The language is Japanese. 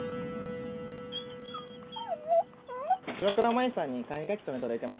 岩倉舞さんに簡易書留届いてます。